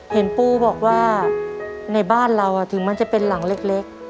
ปูบอกว่าในบ้านเราถึงมันจะเป็นหลังเล็ก